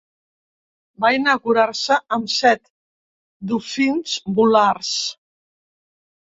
Va inaugurar-se amb set dofins mulars.